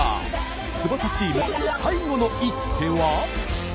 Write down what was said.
翼チーム最後の一手は？